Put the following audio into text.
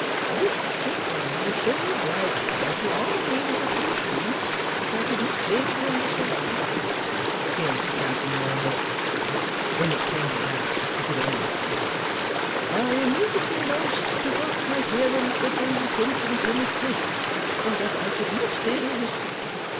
'This gentleman was so obliging as to honour me with attentions which I could not fail to understand.' (Here Mr Sampson murmured that when it came to that, you could always tell.) 'I immediately announced to both my parents that those attentions were misplaced, and that I could not favour his suit.